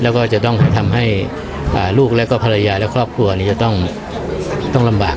แล้วก็จะต้องทำให้ลูกแล้วก็ภรรยาและครอบครัวนี้จะต้องลำบาก